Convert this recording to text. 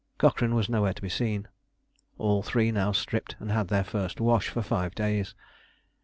Cochrane was nowhere to be seen. All three now stripped, and had their first wash for five days.